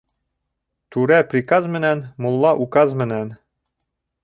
Түрә приказ менән, мулла указ менән.